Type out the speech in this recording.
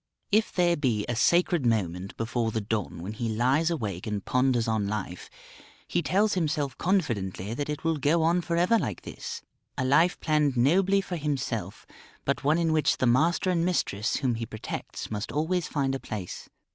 If there be a sacred moment before the dawn when he lies awake and ponders on life, he tells himself confidently that it will go on for ever like this a life planned nobly for himself, but one in which the master and mistress whom he protects must always find a place.